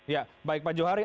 ya baik pak johari